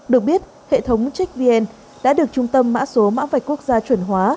được biết hệ thống checkvn đã được trung tâm mã số mã vạch quốc gia chuẩn hóa